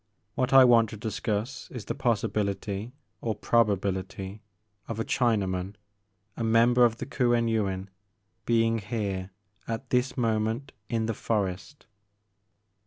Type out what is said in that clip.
What I want to discuss is the possi bility or probability of a Chinaman, — a member of the Kuen Yuin, being here, at this moment, in the forest."